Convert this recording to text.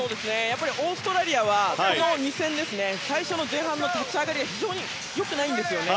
オーストラリアはこの２戦、最初の前半の立ち上がりが非常によくないんですよね。